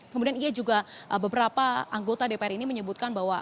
kemudian ia juga beberapa anggota dpr ini menyebutkan bahwa